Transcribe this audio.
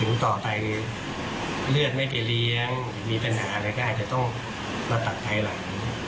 ต่อไปเลือดไม่ไปเลี้ยงมีปัญหาอะไรก็อาจจะต้องมาตัดภายหลัง